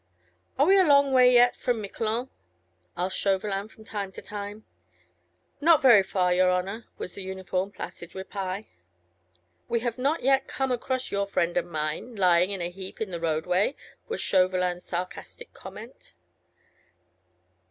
"Are we a long way yet from Miquelon?" asked Chauvelin from time to time. "Not very far, your Honour," was the uniform placid reply. "We have not yet come across your friend and mine, lying in a heap in the roadway," was Chauvelin's sarcastic comment.